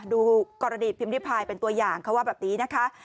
ดูกรณีพิมพิพายเป็นตัวอย่างเขาว่าแบบนี้นะคะ